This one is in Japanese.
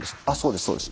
あそうです